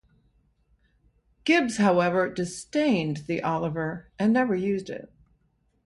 Gibbs, however, disdained the "Oliver" and never used it.